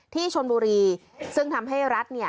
ที่ชนบุรีซึ่งทำให้รัฐเนี่ย